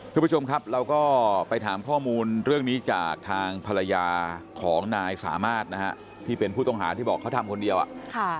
คุณผู้ชมครับเราก็ไปถามข้อมูลเรื่องนี้จากทางภรรยาของนายสามารถนะฮะที่เป็นผู้ต้องหาที่บอกเขาทำคนเดียวอ่ะค่ะ